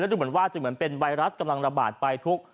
ดูเหมือนว่าจะเหมือนเป็นไวรัสกำลังระบาดไปทุก